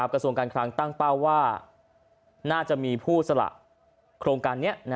กระทรวงการคลังตั้งเป้าว่าน่าจะมีผู้สละโครงการนี้